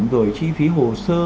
rồi chi phí hồ sơ